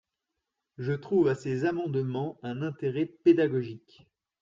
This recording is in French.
Je trouve à ces amendements un intérêt pédagogique.